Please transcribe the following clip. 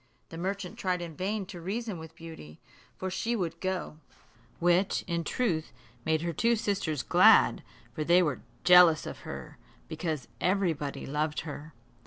The merchant tried in vain to reason with Beauty, for she would go; which, in truth, made her two sisters glad, for they were jealous of her, because everybody loved her.